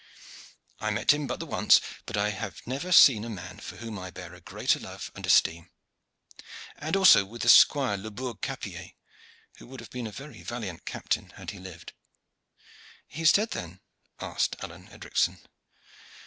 I met him but the once, but I have never seen a man for whom I bear a greater love and esteem. And so also with the squire Le Bourg Capillet, who would have been a very valiant captain had he lived." "He is dead then?" asked Alleyne Edricson.